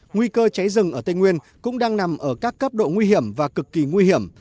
nguy cơ cháy rừng ở tây nguyên cũng đang nằm ở các cấp độ nguy hiểm và cực kỳ nguy hiểm